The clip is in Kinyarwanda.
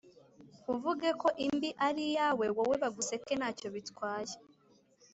uvuge ko imbi ari iyawe, wowe baguseke nta cyo bitwaye’.